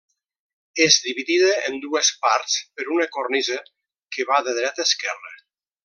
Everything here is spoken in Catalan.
És dividida en dues parts per una cornisa que va de dreta a esquerra.